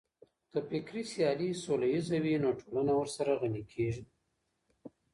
که فکري سيالي سوله ييزه وي نو ټولنه ورسره غني کېږي.